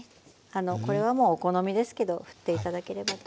あのこれはもうお好みですけどふって頂ければと思います。